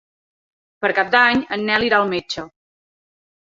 Per Cap d'Any en Nel irà al metge.